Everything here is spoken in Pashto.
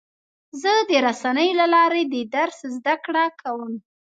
زه د رسنیو له لارې د درس زده کړه کوم.